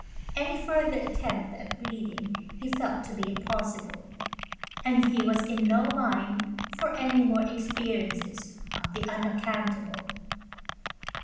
Any further attempt at reading he felt to be impossible, and he was in no mind for any more experiences of the unaccountable.